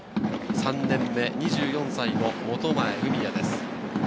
３年目、２４歳の本前郁也です。